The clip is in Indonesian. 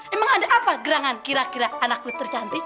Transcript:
emang ada apa gerangan kira kira anakku tercantik